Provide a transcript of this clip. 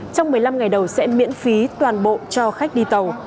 trong một mươi năm ngày đầu sẽ miễn phí toàn bộ cho khách đi tàu